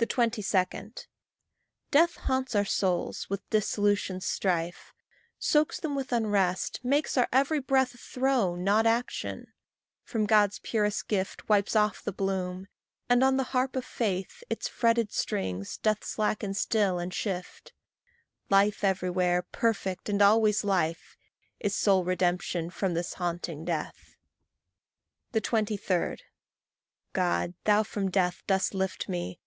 22. Death haunts our souls with dissolution's strife; Soaks them with unrest; makes our every breath A throe, not action; from God's purest gift Wipes off the bloom; and on the harp of faith Its fretted strings doth slacken still and shift: Life everywhere, perfect, and always life, Is sole redemption from this haunting death. 23. God, thou from death dost lift me.